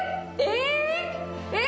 えっ！？